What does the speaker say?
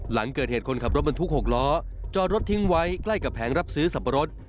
หลังเกิดเหตุคนขับรถบรรทุก๖ล้อจอดรถทิ้งไว้ใกล้กับแผงรับซื้อสับปะรด